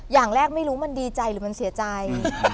อย่างแรกไม่รู้มันดีใจหรือมันเสียใจ